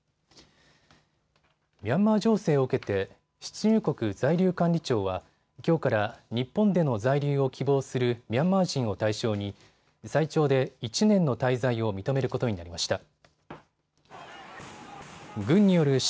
ミャンマー情勢を受けて出入国在留管理庁はきょうから日本での在留を希望するミャンマー人を対象に最長で１年の滞在を認めることになりました。